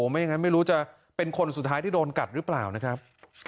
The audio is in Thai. ไม่รู้จะเป็นคนสุดท้ายที่โดนกัดหรือเปล่านะครับ